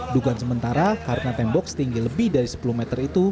dugaan sementara karena tembok setinggi lebih dari sepuluh meter itu